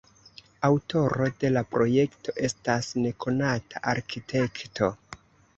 Aŭtoro de la projekto estas nekonata arkitekto.